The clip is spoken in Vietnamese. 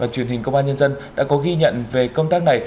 truyền hình công an nhân dân đã có ghi nhận về công tác này